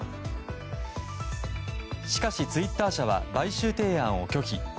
しかしツイッター社は買収提案を拒否。